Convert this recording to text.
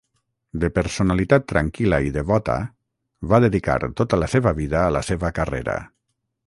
De personalitat tranquil·la i devota, va dedicar tota la seva vida a la seva carrera.